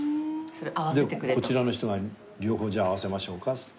でこちらの人が両方じゃあ合わせましょうかっつって。